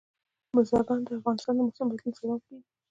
بزګان د افغانستان د موسم د بدلون سبب کېږي.